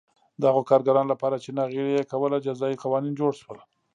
د هغو کارګرانو لپاره چې ناغېړي یې کوله جزايي قوانین جوړ شول